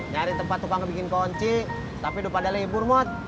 nyari tempat tukang bikin konci tapi udah pada libur mut